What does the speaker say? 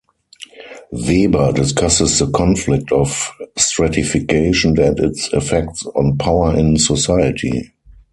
Weber discusses the conflict of stratification and its effects on power in society.